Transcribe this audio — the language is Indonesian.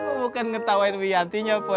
lo bukan ngetawain wiantinya po